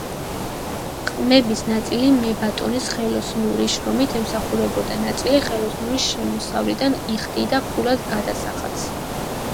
ყმების ნაწილი მებატონეს ხელოსნური შრომით ემსახურებოდა, ნაწილი ხელოსნური შემოსავლიდან იხდიდა ფულად გადასახადს.